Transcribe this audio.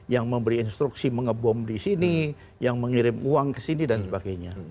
yang memberi instruksi mengebom di sini yang mengirim uang ke sini dan sebagainya